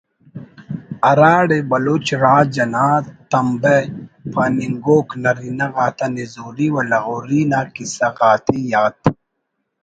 ہراڑے بلوچ راج انا تمبہ پاننگوک نرینہ غاتا نزوری و لغوری نا کسہ غاتے یات